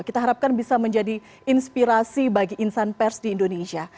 kita harapkan bisa menjadi inspirasi bagi insan pers di indonesia